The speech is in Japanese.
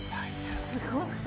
すごすぎる。